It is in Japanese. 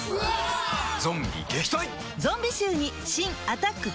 ゾンビ撃退！